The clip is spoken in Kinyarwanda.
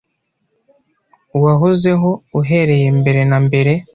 Uwahozeho uhereye mbere na mbere